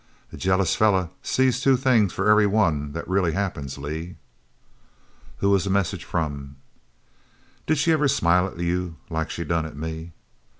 "A jealous feller sees two things for every one that really happens, Lee." "Who was the message from?" "Did she ever smile at you like she done at me?"